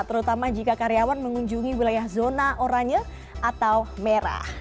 terutama jika karyawan mengunjungi wilayah zona oranye atau merah